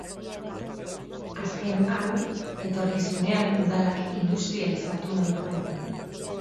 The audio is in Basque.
Azken hau, etorkizunean udalak industrializatu nahi duena.